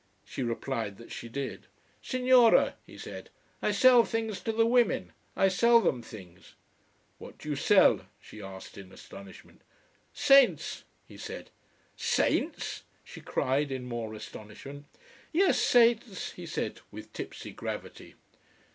She replied that she did. "Signora," he said, "I sell things to the women. I sell them things." "What do you sell?" she asked in astonishment. "Saints," he said. "Saints!" she cried in more astonishment. "Yes, saints," he said with tipsy gravity.